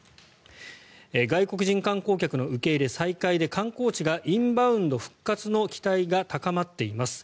外国人観光客の受け入れ再開で観光地がインバウンド復活の期待が高まっています。